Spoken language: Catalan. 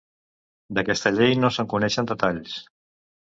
D'aquesta llei no se'n coneixen detalls.